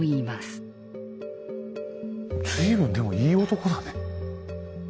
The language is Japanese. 随分でもいい男だね。